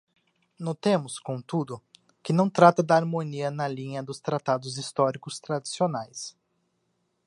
Notemos, contudo, que não trata da harmonia na linha dos tratados históricos tradicionais.